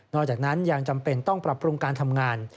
จากนั้นยังจำเป็นต้องปรับปรุงการทำงาน